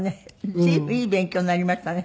随分いい勉強になりましたね